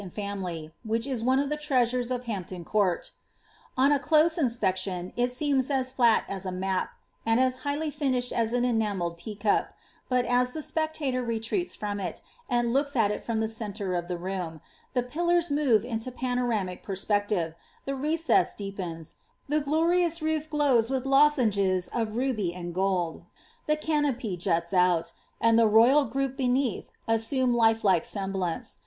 and fomily, which is one of the treasures of Hain|H ton Court'' * On a close inspection it seems as flat as a map, and n highly finished as an enamelled teacup ; but as the spectator retretn from it, and looks at it from the centre of the room, the pillars more into panoramic perspective, the recess deepens, the glorious roof glowi with lozenges of ruby and gold, the canopy juts out, and the royal group beneath assume lifelike semblance.